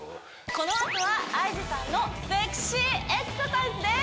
このあとはＩＧさんのセクシーエクササイズです！